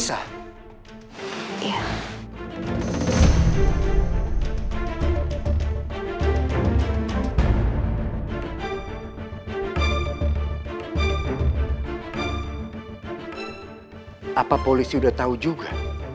apa polisi udah tahu juga